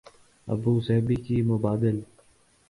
Abu Dhabi کی مبادل